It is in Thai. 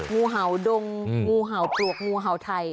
งูเห่าดงงูเห่าปลวกงูเห่าไทย